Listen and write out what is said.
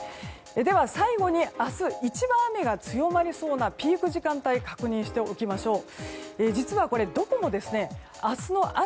では、最後に明日一番雨が強まりそうなピーク時間帯を確認しておきましょう。